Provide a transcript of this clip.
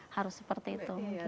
harus seperti itu